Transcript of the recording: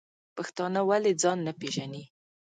پښتانه ولی ځان نه پیژنی؟